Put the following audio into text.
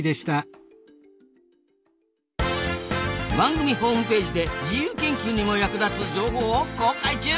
番組ホームページで自由研究にも役立つ情報を公開中！